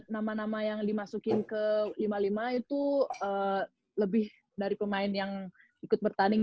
nama nama yang dimasukin ke lima puluh lima itu lebih dari pemain yang ikut bertanding